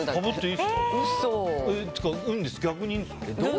逆にいいんですか？